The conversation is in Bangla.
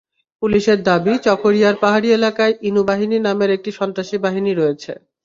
পুলিশের দাবি, চকরিয়ার পাহাড়ি এলাকায় ইনু বাহিনী নামের একটি সন্ত্রাসী বাহিনী রয়েছে।